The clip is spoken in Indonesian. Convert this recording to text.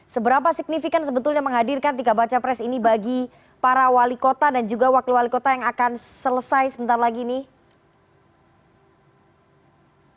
seberapa signifikan sebetulnya menghadirkan tiga baca pres ini bagi para wali kota dan juga wakil wali kota yang akan selesai sebentar lagi nih